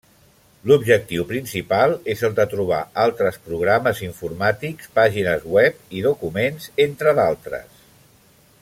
L'objectiu principal és el de trobar altres programes informàtics, pàgines web i documents, entre d'altres.